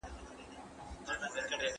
غلام په باغچه کې کار کاوه.